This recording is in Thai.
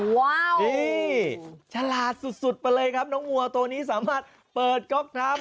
ว้าวนี่ฉลาดสุดไปเลยครับน้องวัวตัวนี้สามารถเปิดก๊อกครับ